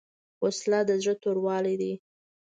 وسله د زړه توروالی دی